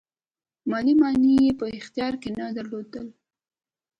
مالي منابع یې په اختیار کې نه درلودل.